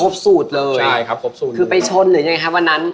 ครบสูตรเลยคือไปชนหรือยังคะวันนั้น